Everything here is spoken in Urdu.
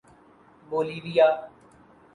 بولیویا